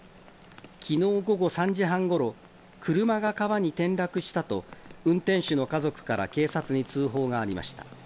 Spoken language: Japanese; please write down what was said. きのう午後３時半ごろ、車が川に転落したと運転手の家族から警察に通報がありました。